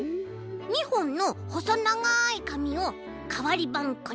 ２ほんのほそながいかみをかわりばんこにおって。